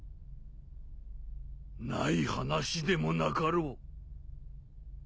ない話でもなかろう。